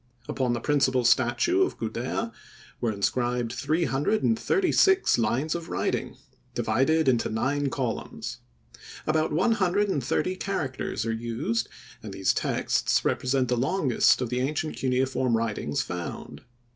Upon the principal statue of Gudea were inscribed three hundred and thirty six lines of writing, divided into nine columns. About one hundred and thirty characters are used, and these texts represent the longest of the ancient cuneiform writings found.